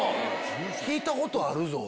聞いたことあるぞ。